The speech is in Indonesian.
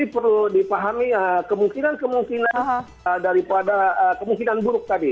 perlu dipahami kemungkinan kemungkinan daripada kemungkinan buruk tadi